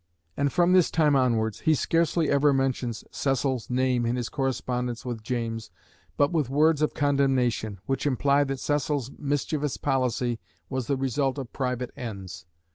And from this time onwards he scarcely ever mentions Cecil's name in his correspondence with James but with words of condemnation, which imply that Cecil's mischievous policy was the result of private ends.